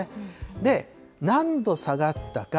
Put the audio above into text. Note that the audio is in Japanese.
で、何度下がったか。